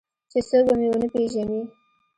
چې څوک به مې ونه پېژني.